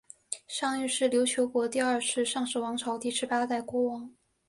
尚育是琉球国第二尚氏王朝的第十八代国王。